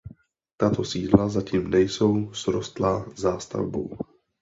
Tato sídla zatím nejsou srostlá zástavbou.